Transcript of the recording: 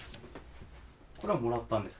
これはもらったんですか？